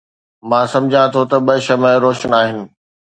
مان سمجهان ٿو ته ٻه شمع روشن آهن